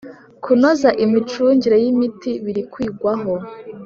Kunoza imicungire y ‘imiti birikwigwaho.